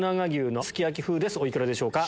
お幾らでしょうか？